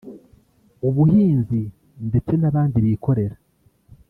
ubuhinzi ndetse n’abandi bikorera